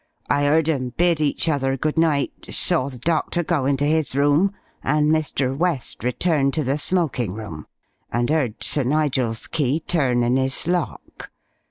I 'eard 'em bid each other good night, saw the Doctor go into 'is room, and Mr. West return to the smoking room, and 'eard Sir Nigel's key turn in 'is lock.